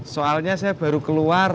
soalnya saya baru keluar belum mau keluar